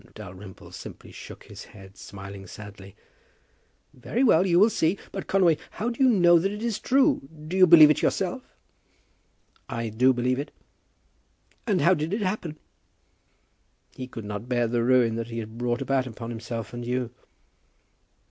Dalrymple simply shook his head, smiling sadly. "Very well! you will see. But, Conway, how do you know that it is true? Do you believe it yourself?" "I do believe it." "And how did it happen?" "He could not bear the ruin that he had brought upon himself and you."